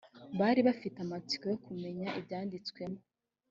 bari bafite amatsiko yo kumenya ibyanditswemo